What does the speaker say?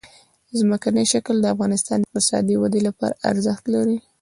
ځمکنی شکل د افغانستان د اقتصادي ودې لپاره ارزښت لري.